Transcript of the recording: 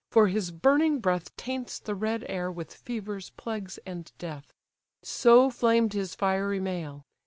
for his burning breath Taints the red air with fevers, plagues, and death. So flamed his fiery mail.